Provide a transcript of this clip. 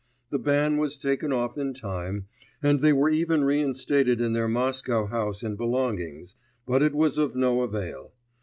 The ban was taken off in time, and they were even reinstated in their Moscow house and belongings, but it was of no avail.